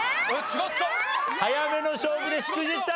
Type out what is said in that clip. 早めの勝負でしくじった！